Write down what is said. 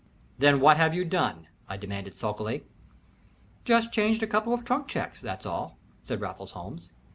"Then what have you done?" I demanded, sulkily. "Just changed a couple of trunk checks, that's all," said Raffles Holmes.